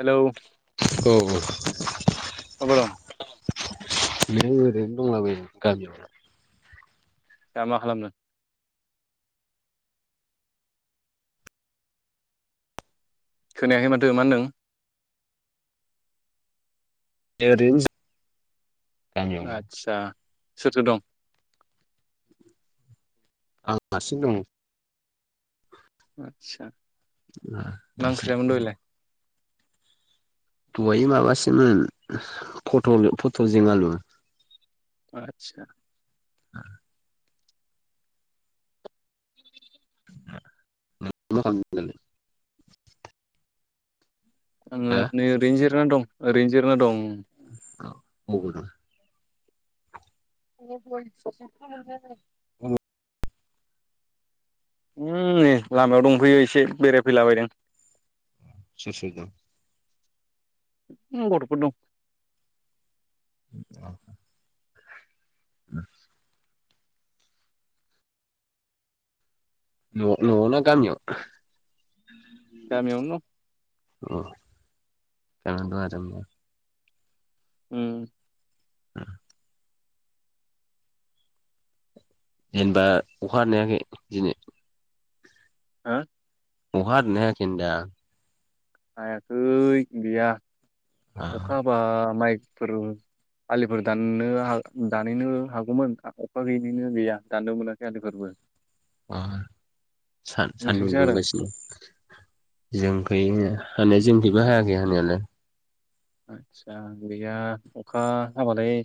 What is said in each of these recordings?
Hello औ अबाव दं? नै ओरैनो दंलाबायो गामियाव । दा मा खालामदों? खोनायाखै माथो मा होनदों? एह ओरैनो जि आदसा सोर सोर दं? आं हारसिं दं । [unintelligible] आदसा मा ओंख्रि जायामोन दहायलाय अय माबासोमोन फथल फथलजों आलु । आतसा । [unintelligible] [inaudible] [unintelligible] आङो हा नै ओरैनो जारायना दं ओरैनो जिरायना दं। अ मबाव दं? [unintelligible] [unintelligible] उम नै लामायाव दंफैयो एसे बेरायफैलाबायदों। सोर सोर दं? उम गथ'फोर दं। अ [unintelligible] न'-न'आव ना गामियाव? गामियावनो दं। अ [unintelligible] उम। [unintelligible] जेनबा अखा हादना हायाखै दिनै? हा? अखा हादोंना हायाखै होन्दां? हायाखै गैया अ अखा हाबा माइफोर आलिफोर दाननो हाग दानायहनो हागौमोन अखा गैयिनिनो गैया दाननो मोनाखै आलिफोरबो। अ सा- सानदुं नोंसिनिखैसो हादों दुंगासिनो जों खैनो। हानाया जोंखैबो हायाखै हानायालाय। आतसा गैया अखा हाबालाय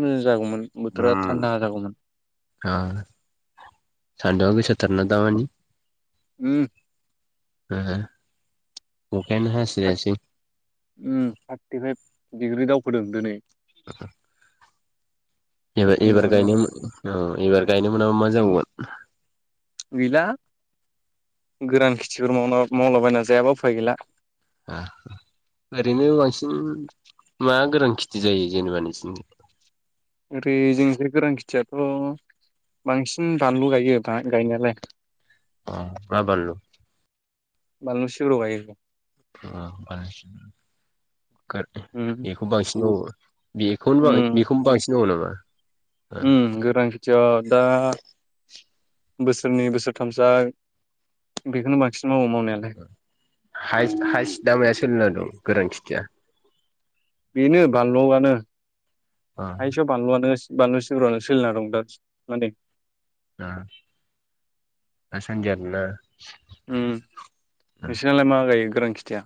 मोजा जागौमोन। बोथोरा उम थान्दा जागौमोन। [unintelligible] उम ए। थाथ ओम थार्टि फाइभ डिग्रि दावखोदों दोनै। [inaudible] एबार-एबार सान्दुंआनो गायनो मो औ एबार गायनो मोनाबा मा जाबावगोन? गैला गोरान खेथिफोर मावना मावलाबायना जायाबा उफाय गैला। हा ओरैनो बांसिन मा गोरान खिथि जायो जेनेबा नोंसिनिथिं? ओरै जोंनिजाय गोरान खिथियाथ' बांसिन बानलु गायो बा गायनायालाय। अ मा बानलु? बानलु सिब्र गायो। [unintelligible] गार उम एखौ बांसिन मावो बेखौनो बां उम बेखौनो बांसिन मावो नामा? उम गोरान खेथिया दा बोसोरनै बोसोरथामसाया बेखोनो बांसि हायस-हायस दामाया सोलिना दं गोरान खिथिया? बेनो बानलुआनो। हाइसाव बानलुआनो बानलु सिब्रयानो सोलिना दं दा [unintelligible] आ दासान्दि आरोना? उम नोंसिनालाय मा गायो गोरान खिथिया?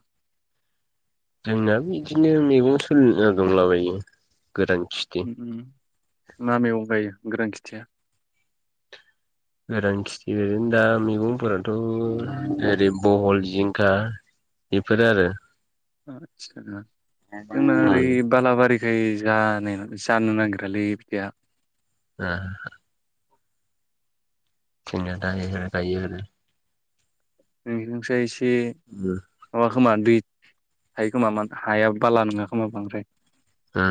जोंनाबो बिदिनो मैगं थ [unintelligible] दंलाबायो गोरान खिथि। उम उम मा मैगं गायो गोरान खिथिया। गोरान खिथि ओरैनो दा मैगंफोराथ' ओरै बहल, जिंखा, बेफोरो आरो आ जोंना ओरै बालाबारि। ओरै जानाय जानो नागिरालै बिदाया आ। थिंनन दानिना गाय [unintelligible] [unintelligible] एसे माबा खोमा दै हायो खोमा मानो हाया बाला नङा खोमा बांद्राय ओ।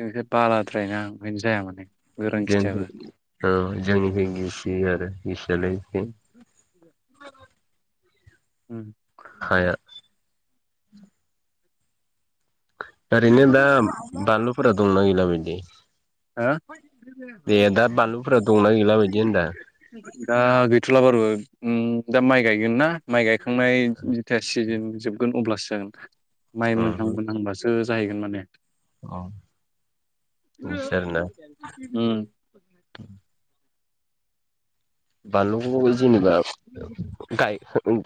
जोंसो बालाद्रायना ओखायनो जाया माने गोरान खिथियाबो [unintelligible] ओ जोंनिजों गिसि आरो गिसियालाय एसे [inaudible] ओम। हाया ओरैनो दा बानलुफोरा दंना गैला बिदि। हा बानलुफोरा दंना गैला बायदि होनदां दा गैथला बारु उम दा माइ गायगोन ना माइ गायखांनाय जेथिया सिजोन जोबगोन अब्लासो जागोन। माइ अ मोनहां मोनहांबासो जाहैगोन माने। बिदि आरोना ओम बानलुखौ जेनेबा गाय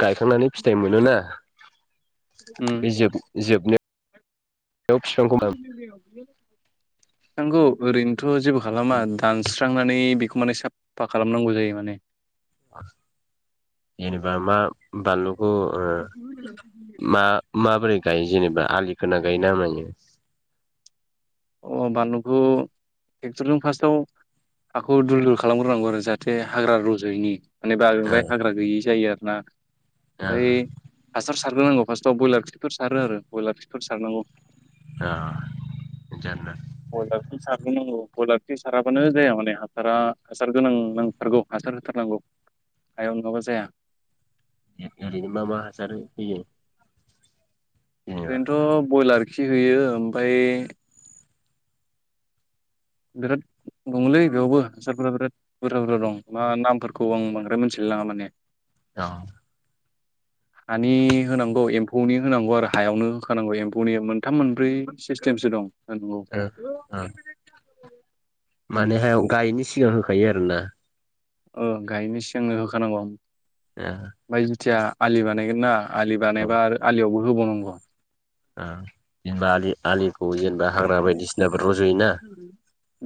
गायखांनानै फिथाइ मोनोना। उम बे जोब जोबनो [unintelligible] नंगौ ओरैनोथ जेबो खालामा दानस सुस्रांनानै बेखौ माने साफा खालामनांगौ जायो माने। जेनेबा मा बानलु [inaudible] माबोरै गायो जेनेबा आलि खोना गायो ना मायो? अ बानलुखौ ट्रेक्टरजों फार्स्टआव हाखौ दुल दुल खालामग्रोनांगौ आरो जाहाथे हाग्रा रज'यैनि मानेबा ओ ओफ्राय हाग्रा गैयै जायो आरो ना ओमफ्राय हासार सा सारग्रोनांगौ फार्स्टआव ब्रयलार खिफोर सारो आरो ब्रयलार फिफोर सारनांगौ। दा अला स [unintelligible] नंगौ नंगौ बयलार खि साराबानो जाया माने हासारा हासार गोनां नांथारगौ हासार होथारनांगौ। हायाव नङाबा जाया। एारि मा मा हासार हैयो? ओरैनोथ' ब्रयलार खि होयो ओमफफ्राय बिराद दंलै बेयावबो हासारफोरा बिराद बुरजा बुरजा दं मा नामफोरखौ आं बांद्राय मिथिया। लाङा माने औ। हानि होनांगौ एम्फौनि होनांगौ आरो हायावनो होखानांगौ एम्फौनि मोनथाम मोनब्रै सिस्टेमसो दं। ह ओ [unintelligible] माने हायाव गायैनि सिगां होखायो आरोना? औ गायनि सिगांनो होखानांगौ ओमफ्राय जुथिया आलि बानायगोन ना आलि बानायबा आरो आलियावबो होबावनांगौ। ओ जेनबा आलि आलि आलिफ्र जेनेबा हाग्रा बायदिसिनाबो रज'यो ना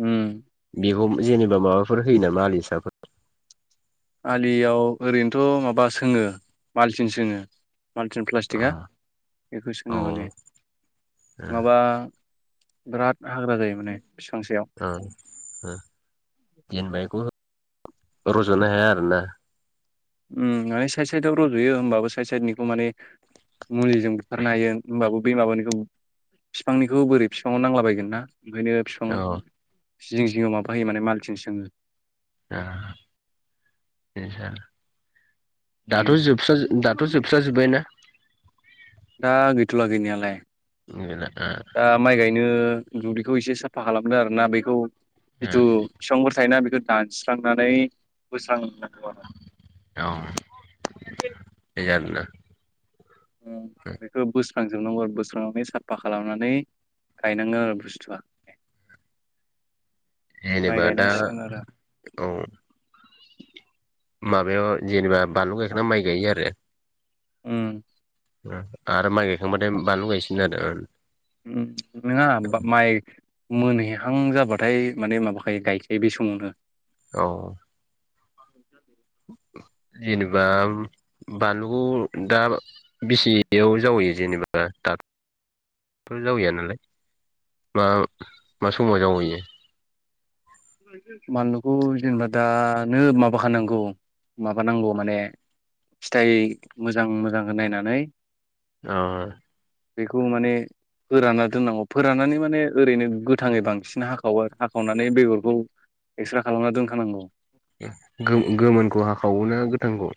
उम। जेनेबा माबाफोर होयो नामा आलिसाफोर? आलियाव ओरैनोथ' माबा सोङो मालसिं सोङो। माल्टिन औ प्लास्टिकआ बेखौ ओ सोङो माने नङाबा बिराद हाग्रा जायो माने बिफां सायाव औ ओ जेनोबा एखौ हो रज'नो हाया आरो ना ओम माने साइद साइदआव रज'यो होमबाबो साइड साइडनिखौ माने मुलिजों बुथारनो हायो होमबाबो बै माबानिखौ बिफांनिखौ बोरै बिफां आव नांलाबायगोन ना ओंखायनो बिफां औ जिं जिंआव माबा होयो माने मालथिं सोङो ओ इदिसो दाथ' उम जोबसा दाथ' जोबस्रा जोबबाय ना दा गैथ'ला गैनायालाय औ दा माइ गायनो दुब्लिखौ इसे साफा खालामदो आरो ना बैखौ बे जिथु बिफांफोर थायोना बेखौ दानस्रांनानै बोस्रांना औ बे आरोना औ बेखौ बोस स्रांजोबनांगौ आरो बोस्रांनानै साफा खालामनानै गायनांगोन आरो बुस्थुआ माइ जेनेबा दा गायनांसिगोन आरो औ माबायाव जेनेबा बानलु गायखांना माइ गायो आरो ओम ओ आरो माइ गायखांबाथाय बानलु गायसिगोन आरो ओम नङा माइ मोनहैहां जाबाथाय माने माबाखायो गायखायो बे समावनो औ [inaudible] जेनेबा बानलुखौ दा बेसेयाव जावैयो जेनेबा ओ दाद फुल जावैया नालाय मा मा समाव जावैयो बानलुखौ जेनेबा दानो माबाखानांगौ माबानांगौ माने फिथाइ मोजां मोजां नायनानै औ बेखौ माने फोरानना दोननांगौ फोराननानै माने ओरैनो गोथाङै बांसिन हाखावयो हाखावनानै बेगर खौ एकस्रा खालामना दोनखानांगौ ओम गो-गोमोनखौ हाखावो ना गोथांखौ?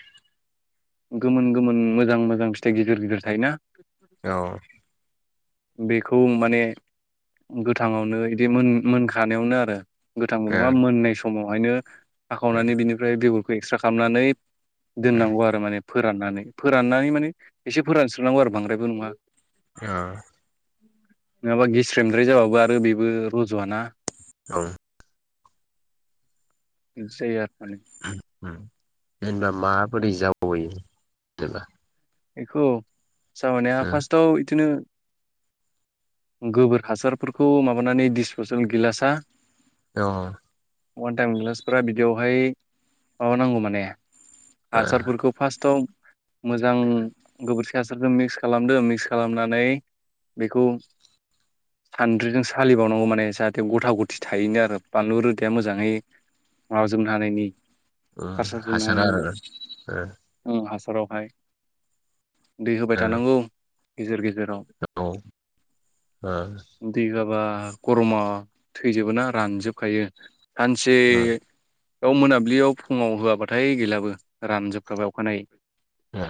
गोमोन गोमोन मोजां मोजां फिथाइ गिदिर गिदिर थायोना औ बेखौ माने गोथाङावनो इदि मोन मोनखानायावनो आरो गोथांबो नङा ओ मोननाय समावहायनो हाखावनानै बिनिफ्राय बेगरखौ एकस्रा खालामनानै दोननांगौ आरो माने फोराननानै फोराननानै माने एसे फोरानस्रोनांगौ आरो बांद्रायबो नङा। ओ नङाबा गेस्रेमद्राय जाबाबो आरो बेबो रजआ ना औ जै आर जेनेबा माबोरै जावैयो जेनेबा बेखौ जावयैनाया फास्टआव इदिनो गोबोर हासारफोरखौ माबानानै डिसबथल गिलासा दङ अवान टाइम गिलासफोरा बिदियावहाय माबानांगौ माने ओ हासारफोरखौ फार्स्टआव मोजां गोबोरखि हासारखौ मिक्स खालामदो मिक्स खालामनानै बेखौ सान्द्रिजों सालिबावनांगौ माने जाहाथे गथा गथि थायिनि आरो बानलु रोदाया मोजाङै माजों हानायनि ओ हासारजों हासारा हानायनि आरो ओ ओं हास फोरावहाय दै होबाय औ थानांगौ गेजेर गेजे जेराव ओ ओ दै होआबा गरमा थैजोबो ना रानजोबखायो सानसे बेयाव मोनाब्लियाव फुंङाव होआबाथाय गैलाबो रानजोबखाबाय अखानायै ओ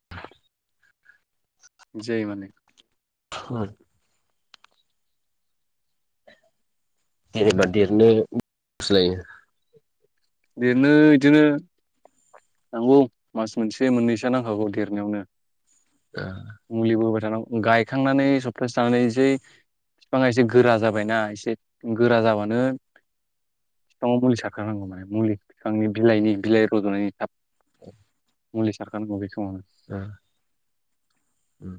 बिदि जयो माने उम जेनेबा देरनो गुस्लायो बिदिनो इदिनो नोंगौ मास मोनसे मोननैसोआ नांखागौ देरनायावनो ओ मुलिबो जाहानाव गायखांनानै सप्तासे थानानै जै बिफांङा एसे गोरा जाबायना एसे गोरा जाबानो बिफांङाव मुलि सारखोनांगौ माने मुलि बिफांनि बिलाइनि बिलाइ रजनायनि थाब ओ मुलि सारखानांगौ बे समावनो उम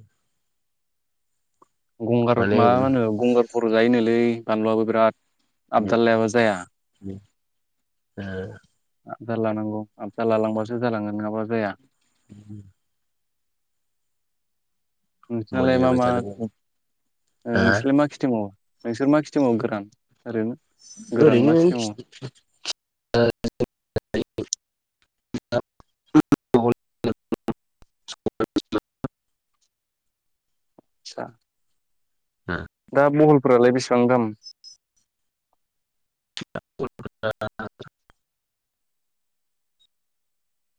गंगार माने मा मा होनो गंगारफोर जायोनोलै बानलुआबो बिराद आबदाल लायाबा जाया ओ आबदाल लानांगौ आबदाल लालांबासो जालांयो नोंङाबा जाया ओ नोंसानालाय मुलि मा होबाय मा थानांगौ अब ओ हा नोंसोरलाय मा खेथि मावो नोंसोर मा खिथि मावो गोरान ओरैनो गोरान ओरैनो मा खेथि मावो [unintelligible] [unintelligible] आतसा बिबारा दा बहलफोरालाय बेसेबां दाम? [unintelligible]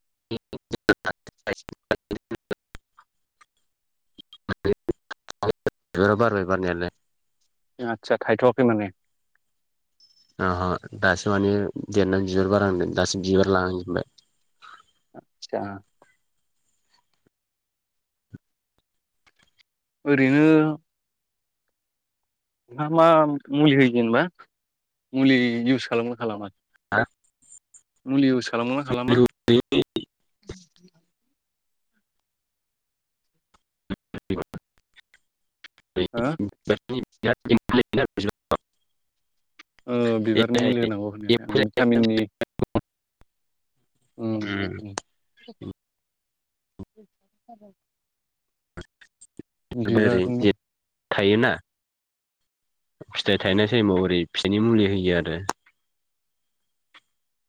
[unintelligible] [unintelligible] बारबाय बिबारा बारनायालाय आतसा थाय थवाखै माने ह ह दासो माने देरनानै बिबार बारहांदों दासो बिबार लांहांजोबबाय । आतसा ओरैनो नोंहा मा मुलि होयो जेनबा। मुलि इउस खालामनो खालामा? [unintelligible] मुलि इउस खालामोना खालामा? हो [unintelligible] [unintelligible] ओ बिबारनि मुलि होनांगौ होनायालाय भिटामिननि उम ओरै बिबारनि थायोना फिथाइ थायनाय टाइमाव ओरै फिथाइनि मुलि होयो आरो [inaudible]